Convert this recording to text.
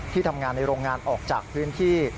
ทำงานในโรงงานออกจากพื้นที่